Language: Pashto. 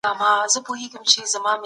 درملنه د باور فضا غواړي.